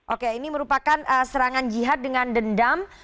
oke ini merupakan serangan jihad dengan dendam